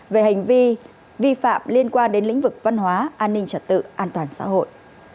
về hành vi vi phạm liên quan đến lĩnh vực văn hóa an ninh trật tự an toàn xã hội